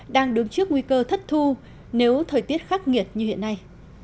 đang đứng trước nguy cơ thất thu nếu thời tiết khắc nghiệt như hiện nay